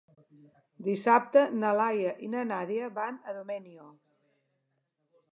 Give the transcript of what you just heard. Dissabte na Laia i na Nàdia van a Domenyo.